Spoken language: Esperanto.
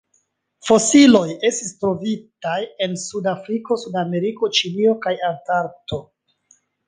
Fosilioj estis trovitaj en Sud-Afriko, Sudameriko, Ĉinio kaj Antarkto.